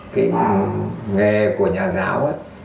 cái nghề của nhà giáo á